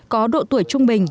có độ tuổi trung bình